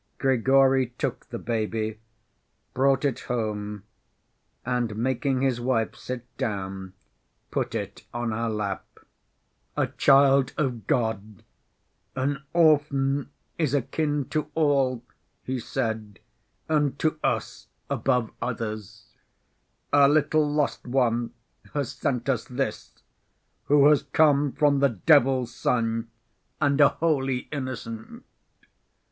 Grigory took the baby, brought it home, and making his wife sit down, put it on her lap. "A child of God—an orphan is akin to all," he said, "and to us above others. Our little lost one has sent us this, who has come from the devil's son and a holy innocent.